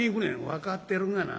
「分かってるがな。